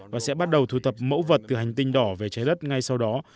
và sẽ bắt đầu thu thập mẫu vật từ hành tinh đỏ về trái đất ngay sau đó